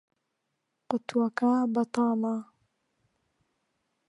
قوتووەکە بەتاڵە.